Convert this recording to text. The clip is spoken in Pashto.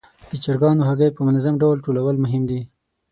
د چرګانو هګۍ په منظم ډول ټولول مهم دي.